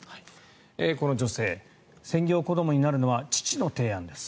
この女性、専業子どもになるのは父の提案です。